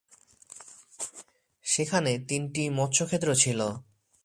সেখানে তিনটি মৎস্যক্ষেত্র ছিল।